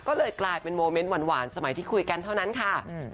ก็เลยกลายเป็นโมเมนต์หวานสมัยที่คุยกันเท่านั้นค่ะ